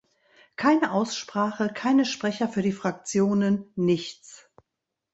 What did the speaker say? Keine Aussprache, keine Sprecher für die Fraktionen, nichts.